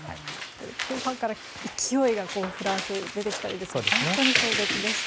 後半から勢いがフランスは出てきたり本当に壮絶でした。